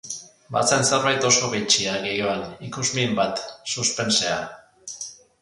Bazen zerbait oso bitxia giroan, ikusmin bat, suspensea.